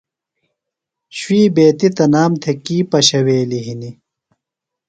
شُوئی بیتیۡ تنام تھےۡ کی پشَویلیۡ ہنیۡ؟